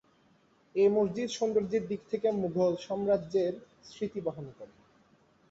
এই মসজিদ সৌন্দর্যের দিক থেকে মুঘল সাম্রাজ্যের স্মৃতি বহন করে।